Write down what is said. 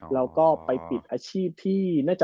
และก็ไปปิดอาชีพที่